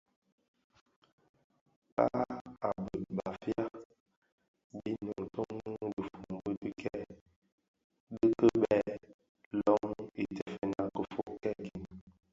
Kpag a bheg Bafia mbiň bè toňi dhifombi di kibèè löň itèfèna kifög kèèkin,